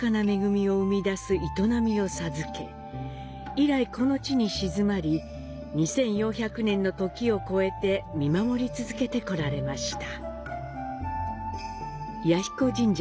以来、この地に鎮まり２４００年の時を超えて見守り続けてこられました。